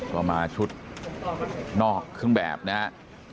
ก็มาชุดนอกเครื่องแบบนะครับ